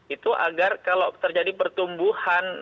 itu agar kalau terjadi pertumbuhan